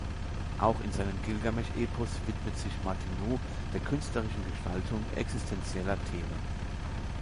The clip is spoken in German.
Auch in seinem "Gilgamesch-Epos" widmet sich Martinů der künstlerischen Gestaltung existenzieller Themen.